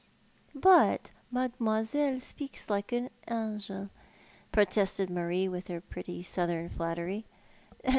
" I5ut, Mademoiselle speaks like an angel," protested Marie with her ])retty southern flattery.